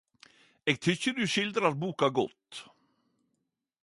Eg tykkjer du skildrar boka godt.